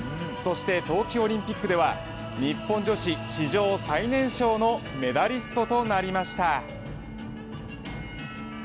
そして冬季オリンピックでは日本女子史上最年少のメダリストとなりました。